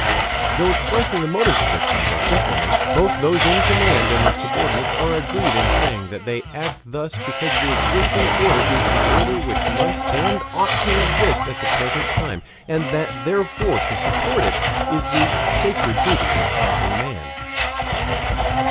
Though expressing the motives of their conduct differently, both those in command and their subordinates are agreed in saying that they act thus because the existing order is the order which must and ought to exist at the present time, and that therefore to support it is the sacred duty of every man.